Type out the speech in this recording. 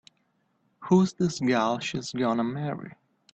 Who's this gal she's gonna marry?